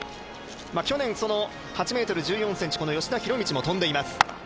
去年、８ｍ１４ｃｍ、吉田弘道も跳んでいます。